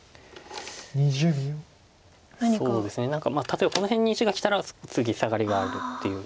例えばこの辺に石がきたら次サガリがあるっていう。